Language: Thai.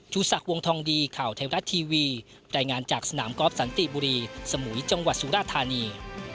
ศักดิ์วงทองดีข่าวไทยรัฐทีวีรายงานจากสนามกอล์ฟสันติบุรีสมุยจังหวัดสุราธานี